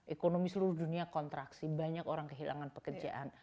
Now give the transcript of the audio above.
ekonomi seluruh dunia kontraksi banyak orang kehilangan pekerjaan